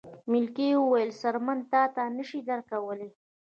ملکې وویل څرمن تاته نه شي درکولی.